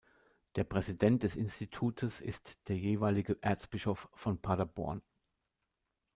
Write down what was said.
Der Präsident des Institutes ist der jeweilige Erzbischof von Paderborn.